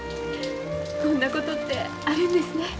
こんなことってあるんですね。